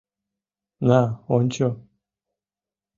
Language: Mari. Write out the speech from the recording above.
На, ончо...